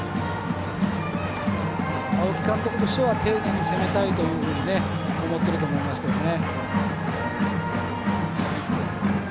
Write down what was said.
青木監督としては丁寧に攻めたいというふうに思っていると思いますけどね。